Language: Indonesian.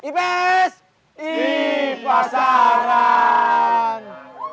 ips di pasaran